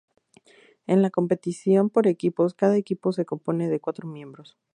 En la "competición por equipos" cada equipo se compone de cuatro miembros.